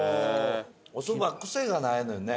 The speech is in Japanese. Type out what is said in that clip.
おそば癖がないのよね。